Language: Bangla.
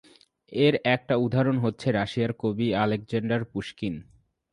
এর একটা উদাহরণ হচ্ছে রাশিয়ার কবি আলেকজান্ডার পুশকিন।